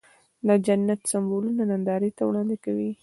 دا د جنت سمبولونه نندارې ته وړاندې کوي.